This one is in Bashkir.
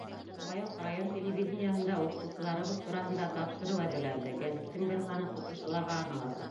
Шулай уҡ район телевидениеһында уҡытыусыларыбыҙ тураһында тапшырыу әҙерләнде, гәзиттең бер һаны тотош уларға арналасаҡ.